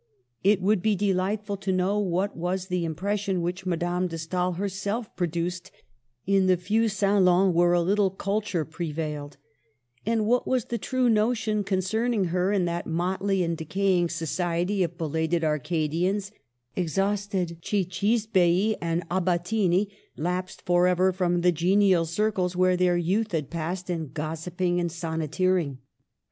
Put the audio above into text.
It would be delightful to know what was the impres sion which Madame de Stael herself produced in the few salons where a little culture prevailed, and what was the true notion concerning her in that motley and decaying society of belated Arca dians, exhausted cicisbei and abatini lapsed for ever from the genial circles where their youth had passed in gossiping and sonneteering.